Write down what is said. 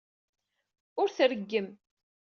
Ur t-reggem.